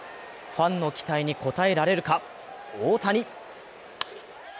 ファンの期待に応えられるか、大谷。